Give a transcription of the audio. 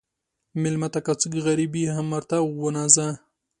مېلمه ته که څوک غریب وي، هم ورته وناځه.